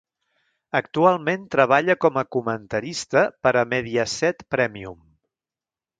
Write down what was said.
Actualment treballa com a comentarista per a Mediaset Premium.